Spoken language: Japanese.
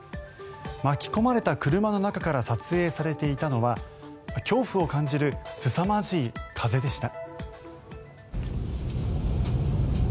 巻き込まれた車の中から撮影されていたのは恐怖を感じるすさまじい風でした。